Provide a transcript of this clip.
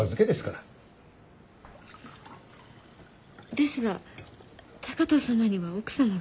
ですが高藤様には奥様が。